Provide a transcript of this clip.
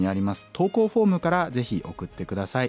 投稿フォームからぜひ送って下さい。